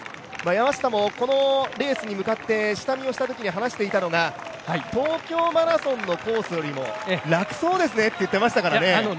山下もこのレースに向かって下見をしたときに話していたのが東京マラソンのコースよりも楽そうですねと言っていましたからね。